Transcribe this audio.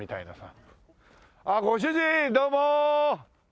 ああご主人どうも！